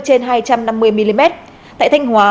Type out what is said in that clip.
trên hai trăm năm mươi mm tại thanh hóa